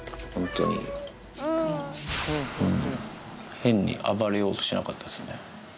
変に暴れようとしなかったですね。